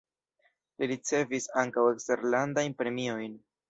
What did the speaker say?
Li ricevis ankaŭ eksterlandajn premiojn.